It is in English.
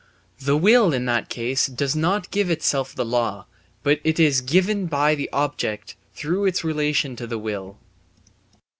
The will in that case does not give itself the law, but it is given by the object through its relation to the will.